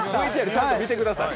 ＶＴＲちゃんと見てください。